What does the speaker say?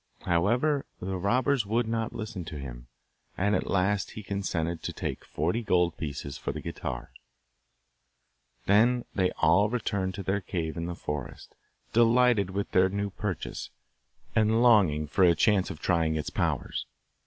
However, the robbers would not listen to him, and at last he consented to take forty gold pieces for the guitar. Then they all returned to their cave in the forest, delighted with their new purchase, and longing for a chance of trying its powers.